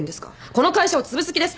この会社をつぶす気ですか！？